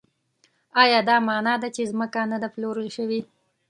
ایا دا مانا ده چې ځمکه نه ده پلورل شوې؟